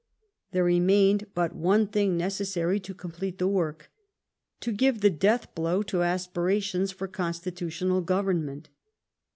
There remained l)Ut one thing necessary to complete the woik ; to give the death blow to aspirations for con stitutional government.